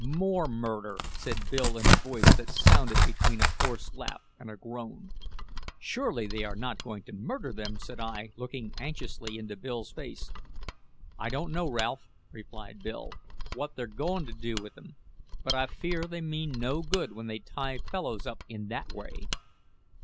"More murder!" said Bill in a voice that sounded between a hoarse laugh and a groan. "Surely they are not going to murder them?" said I, looking anxiously into Bill's face. "I don't know, Ralph," replied Bill, "what they're goin' to do with them; but I fear they mean no good when they tie fellows up in that way."